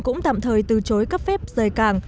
cũng tạm thời từ chối cấp phép rời cảng